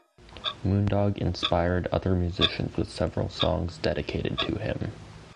Moondog inspired other musicians with several songs dedicated to him.